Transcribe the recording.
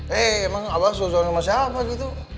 hei emang abah seuzon sama siapa gitu